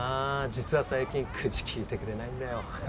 実は最近口きいてくれないんだよ